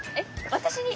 私に？